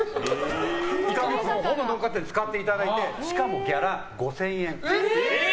１か月分、ほぼノーカットで使っていただいてしかもギャラ、５０００円。